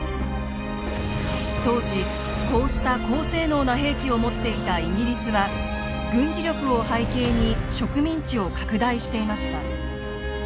当時こうした高性能な兵器を持っていたイギリスは軍事力を背景に植民地を拡大していました。